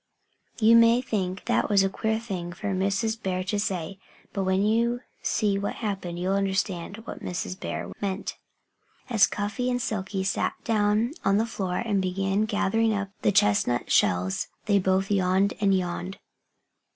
You may think that that was a queer thing for Mrs. Bear to say. But when you see what happened, you'll understand what Mrs. Bear meant. As Cuffy and Silkie sat down on the floor and began gathering up the chestnut shells they both yawned and yawned.